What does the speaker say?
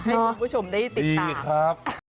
ให้คุณผู้ชมได้ติดตามครับ